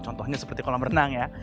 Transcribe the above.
contohnya seperti kolam renang ya